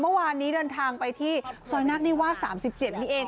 เมื่อวานนี้เดินทางไปที่ซอยนักนิวาส๓๗นี่เอง